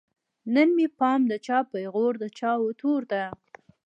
نه مې پام د چا پیغور د چا وتور ته